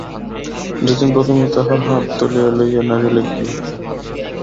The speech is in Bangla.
যতীন প্রথমেই তাহার হাত তুলিয়া লইয়া নাড়ি দেখিল।